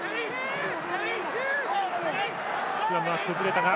スクラムは崩れたが。